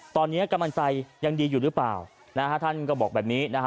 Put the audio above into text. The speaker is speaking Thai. ตอนนี้กำลังใจยังดีอยู่หรือเปล่านะฮะท่านก็บอกแบบนี้นะฮะ